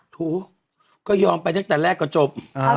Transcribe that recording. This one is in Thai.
ถูกก็ยอมไปตั้งแต่แรกก็จบ